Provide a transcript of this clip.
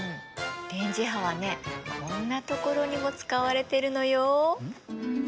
電磁波はねこんな所にも使われてるのよ。